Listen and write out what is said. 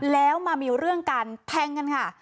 แล้วมามีเรื่องกันแทงกันค่ะ